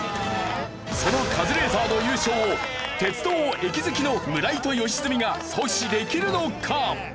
そのカズレーザーの優勝を鉄道駅好きの村井と良純が阻止できるのか？